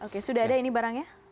oke sudah ada ini barangnya